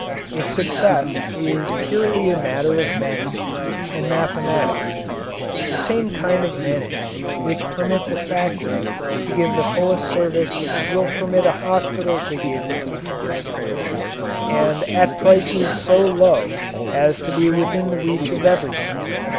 Its success is purely a matter of management and mathematics. The same kind of management which permits a factory to give the fullest service will permit a hospital to give the fullest service, and at a price so low as to be within the reach of everyone.